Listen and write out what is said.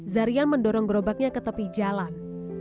zarian mendorong gerobaknya ke tepi jalan